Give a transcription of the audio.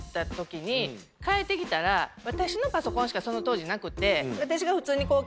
私のパソコンしかその当時なくて私が。